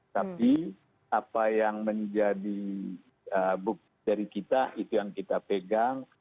tapi apa yang menjadi bukti dari kita itu yang kita pegang